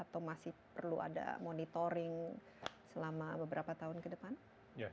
atau masih perlu ada monitoring selama beberapa tahun ke depan